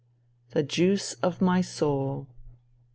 The juice of my soul.